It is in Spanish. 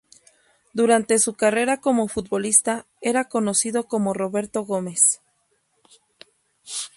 Durante su carrera como futbolista era conocido como Roberto Gómez.